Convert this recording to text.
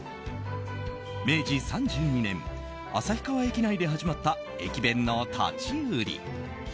明治３２年、旭川駅内で始まった駅弁の立ち売り。